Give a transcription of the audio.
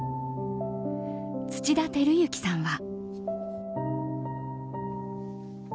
土田晃之さんは。